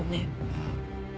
うん。